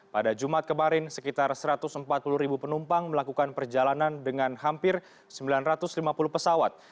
pada jumat kemarin sekitar satu ratus empat puluh ribu penumpang melakukan perjalanan dengan hampir sembilan ratus lima puluh pesawat